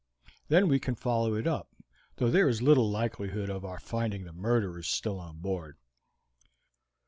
Then we can follow it up; though there is little likelihood of our finding the murderers still on board."